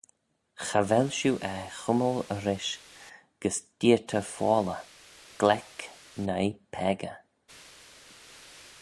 Cha vel shiu er chummal rish gys deayrtey foalley, gleck noi peccah.